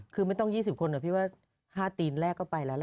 คือไม่ต้อง๒๐คนนะพี่ว่า๕ตีนแรกก็ไปแล้วล่ะ